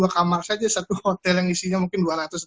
dua kamar saja satu hotel yang isinya mungkin dua ratus